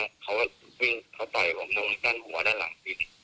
เขาวิ่งเข้าไปโดยวางกันเขาวางด้านหลัง